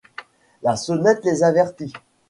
La sonnette les avertit.